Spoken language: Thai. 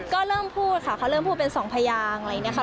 ก็เริ่มพูดค่ะเขาเริ่มพูดเป็นสองพยางอะไรอย่างนี้ค่ะ